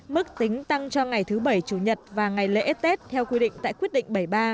mức tính tăng cho ngày thứ bảy chủ nhật và ngày lễ tết theo quy định tại quyết định bảy mươi ba